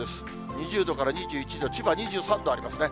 ２０度から２１度、千葉２３度ありますね。